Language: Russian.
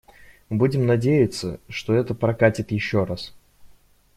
Будем надеяться, что это «прокатит» ещё раз.